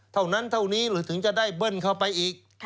เท่านั้นเท่านี้หรือถึงจะได้เบิ้ลเข้าไปอีก